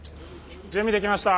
準備できました！